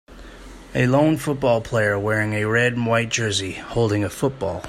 a lone football player wearing a red and white jersay holding a football.